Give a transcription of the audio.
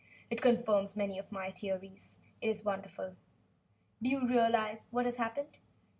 It confirms many of my theories. It is wonderful. Do you realize what has happened?